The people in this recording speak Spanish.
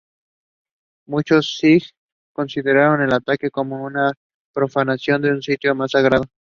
Muchos sijs consideraron el ataque como una profanación a su sitio más sagrado.